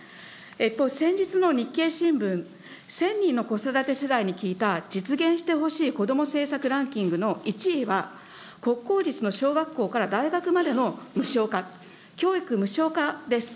これ、先日の日経新聞、１０００人の子育て世代に聞いた実現してほしい子ども政策ランキングの１位は、国公立の小学校から大学までの無償化、教育無償化です。